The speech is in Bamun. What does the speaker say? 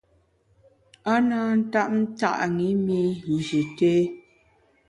A na ntap nta’ ṅi mi Nji té.